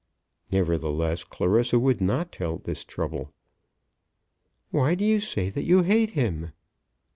Nevertheless Clarissa would not tell this trouble. "Why do you say that you hate him?"